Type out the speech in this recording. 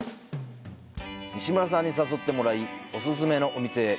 西村さんに誘ってもらい、お勧めのお店へ。